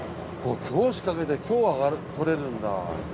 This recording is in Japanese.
今日仕掛けて今日獲れるんだ。